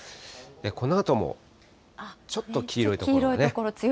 このあともちょっと黄色い所がね。